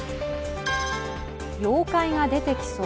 妖怪が出てきそう。